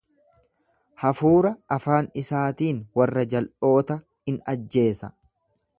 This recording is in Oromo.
Hafuura afaan isaatiin warra jal'oota in ajjeesa.